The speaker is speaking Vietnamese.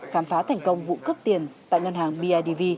khám phá thành công vụ cướp tiền tại ngân hàng bidv